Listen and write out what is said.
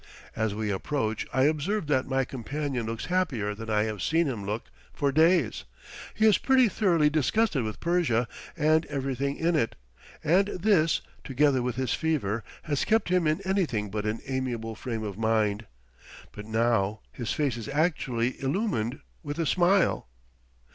As we approach I observe that my companion looks happier than I have seen him look for days. He is pretty thoroughly disgusted with Persia and everything in it, and this, together with his fever, has kept him in anything but an amiable frame of mind. But now his face is actually illumined with a smile.